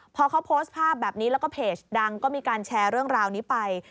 พอเขาโพสต์ภาพแบบนี้แล้วก็เพจดังก็มีการแชร์เรื่องราวนี้ไป